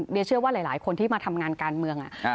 เดี๋ยวเชื่อว่าหลายคนที่มาทำงานการเมือง